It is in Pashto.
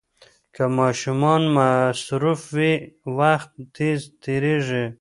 که ماشومان مصروف وي، وخت تېز تېریږي.